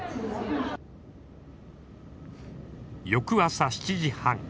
翌朝７時半。